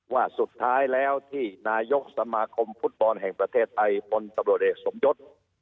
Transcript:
ว่าสุดท้ายแล้วที่นายกสมาคมฟุตบอลแห่งประเทศไทยพลตำรวจเอกสมยศ